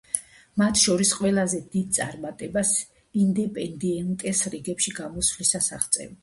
მათ შორის ყველაზე დიდ წარმატებას „ინდეპენდიენტეს“ რიგებში გამოსვლისას აღწევს.